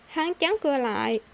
hắn chán cưa lại